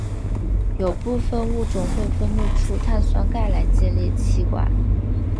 有部分物种会分泌出碳酸钙来建立栖管。